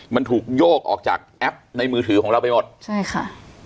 มันถูกโยกออกจากแอปในมือถือของเราไปหมดใช่ค่ะ